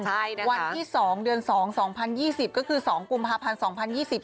ใช่นะวันที่๒เดือน๒๒๐๒๐ก็คือ๒กุมภาพันธ์๒๐๒๐